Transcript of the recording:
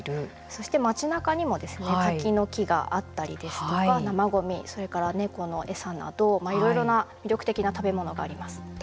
そして街なかでも柿の木があったりとか生ゴミ、ネコの餌などいろいろな魅力的な食べ物があります。